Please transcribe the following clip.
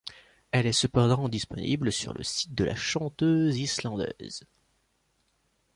Elle est cependant disponible sur le site de la chanteuse islandaise.